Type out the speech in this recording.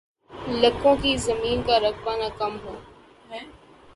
لکوں کی زمین کا رقبہ نہ کم ہو